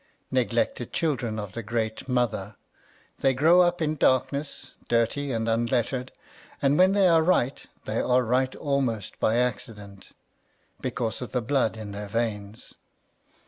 Neglected children of the great mother, they grow up in darkness, dirty and un lettered, and when they are right they are right almost by accident, because of the blood in their veins.